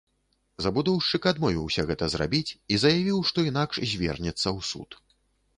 Забудоўшчык адмовіўся гэта зрабіць і заявіў, што інакш звернецца ў суд.